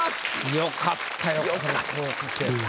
よかったよ。